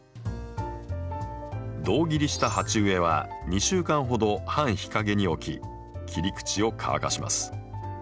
胴切りした鉢植えは２週間ほど半日陰に置き切り口を乾かします。